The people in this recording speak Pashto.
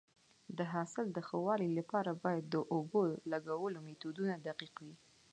د حاصل د ښه والي لپاره باید د اوبو لګولو میتودونه دقیق وي.